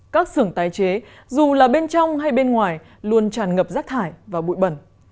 các xưởng tái chế dù là bên trong hay bên ngoài luôn tràn ngập rác thải và bụi bẩn